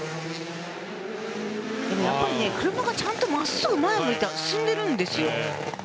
でもやっぱり車が真っすぐ前を向いて進んでいるんですよ。